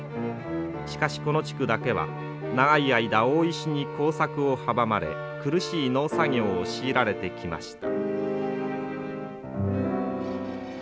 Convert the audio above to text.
しかしこの地区だけは長い間大石に耕作を阻まれ苦しい農作業を強いられてきました。